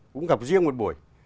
cũng gặp riêng một buổi